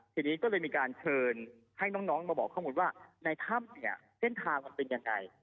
ทีนี้ก็เลยมีการเชิญให้น้องมาบอกข้อมูลว่าในถ้ำเนี่ยเส้นทางมันเป็นยังไง